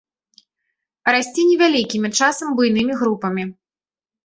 Расце невялікімі, часам буйнымі групамі.